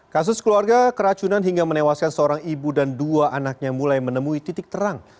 kasus keluarga keracunan hingga menewaskan seorang ibu dan dua anaknya mulai menemui titik terang